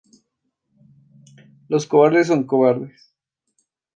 Los cobardes son cobardes.